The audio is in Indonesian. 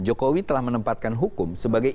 jokowi telah menempatkan hukum sebagai